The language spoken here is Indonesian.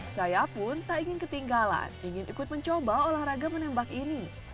saya pun tak ingin ketinggalan ingin ikut mencoba olahraga menembak ini